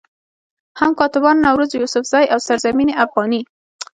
هم کاتبانو نوروز يوسفزئ، او سرزمين افغاني